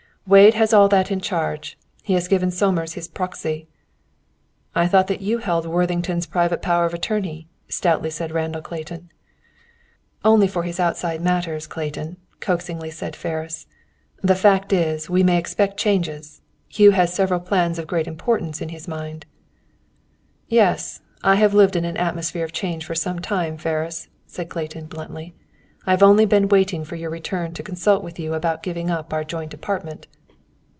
"Wade has all that in charge, and he has given Somers his proxy." "I thought that you held Worthington's private power of attorney," stoutly said Randall Clayton. "Only for his outside matters, Clayton," coaxingly said Ferris. "The fact is, we may expect many changes. Hugh has several plans of great importance in his mind. "Yes; I have lived in an atmosphere of change for some time, Ferris," said Clayton, bluntly. "I have only been waiting for your return to consult with you about giving up our joint apartment.